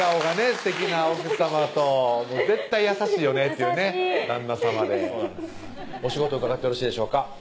すてきな奥さまと絶対優しいよねっていう旦那さまでお仕事伺ってよろしいでしょうか？